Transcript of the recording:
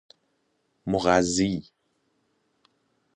مغذی